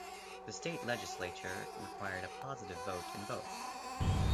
The state legislature required a positive vote in both.